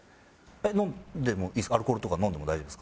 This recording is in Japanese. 飲んでもいいアルコールとか飲んでも大丈夫ですか？